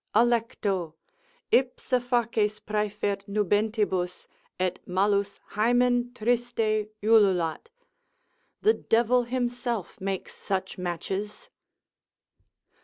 Alecto——— Ipsa faces praefert nubentibus, et malus Hymen Triste ululat,——— the devil himself makes such matches.